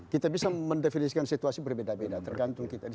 kita bisa mendefinisikan situasi berbeda beda tergantung kita di